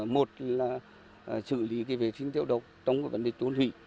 một là xử lý cái vệ sinh tiêu độc tống cái vấn đề tốn hủy